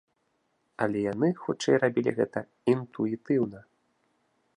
Але яны, хутчэй, рабілі гэта інтуітыўна.